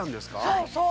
そうそう！